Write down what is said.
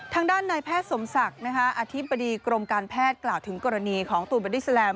ทางด้านนายแพทย์สมศักดิ์อธิบดีกรมการแพทย์กล่าวถึงกรณีของตูนบอดี้แลม